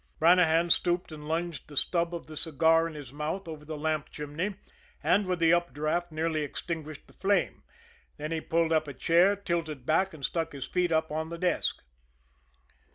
Brannahan stooped and lunged the stub of the cigar in his mouth over the lamp chimney, and with the up draft nearly extinguished the flame; then he pulled up a chair, tilted back and stuck his feet up on the desk.